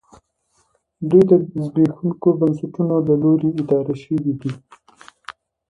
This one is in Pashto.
دوی د زبېښونکو بنسټونو له لوري اداره شوې دي